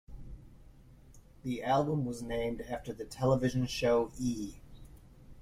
The album was named after the television show E!